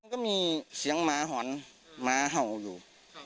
ก็มีเสียงหมาหอนหมาเห่าอยู่